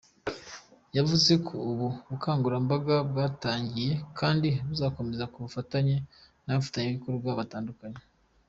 Yavuze ko ubu bukangurambaga bwatangiyekandi buzakomeza ku bufatanye n’abafatanyabikorwa batandukanye.